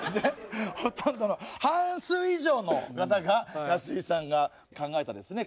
ほとんどの半数以上の方が安井さんが考えたですね